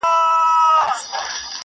ستا تر پوهي مي خپل نیم عقل په کار دی؛